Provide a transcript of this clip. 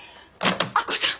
明子さん！